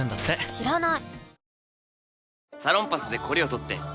知らない！